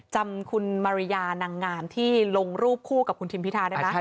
จำคุณมาริยานางงามที่ลงรูปคู่กับคุณทิมพิธาได้ไหม